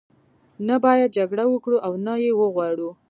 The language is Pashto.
نه باید جګړه وکړو او نه یې وغواړو.